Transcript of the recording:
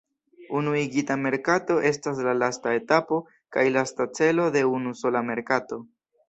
Unuigita merkato estas la lasta etapo kaj lasta celo de unusola merkato.